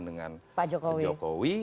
dengan pak jokowi